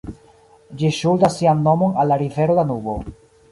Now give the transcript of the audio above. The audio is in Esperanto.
Ĝi ŝuldas sian nomon al la rivero Danubo.